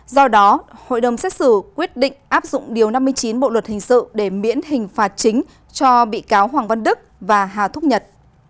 do đó hội đồng xét xử quyết định áp dụng điều năm mươi chín bộ luật hình sự để miễn hình phạt chính cho bị cáo hoàng văn đức và hà thúc nhật